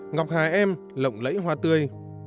ngọc hà em lộng lẫy hoa tươi